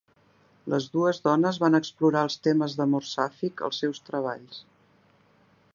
Les dues dones van explorar els temes d'amor sàfic als seus treballs.